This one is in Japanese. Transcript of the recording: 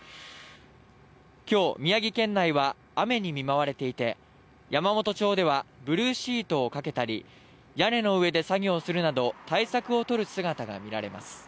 今日、宮城県内は雨に見舞われていて、山元町ではブルーシートをかけたり、屋根の上で作業するなど対策を取る姿が見られます。